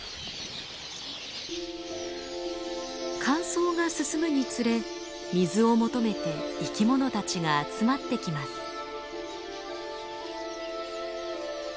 乾燥が進むにつれ水を求めて生き物たちが集まってきます。